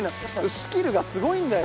スキルがすごいんだよ。